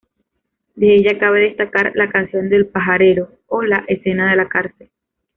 De ella cabe destacar "la canción del pajarero" o la escena de la cárcel.